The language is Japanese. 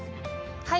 はい。